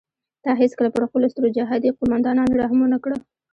تا هیڅکله پر خپلو سترو جهادي قوماندانانو رحم ونه کړ.